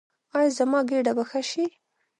ایا زما ګیډه به ښه شي؟